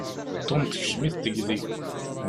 Tom tekcem-it tegdi.